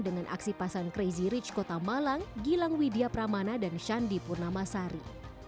dengan aksi pasangan crazy rich kota malang gilang widya pramana dan shandy purnamasari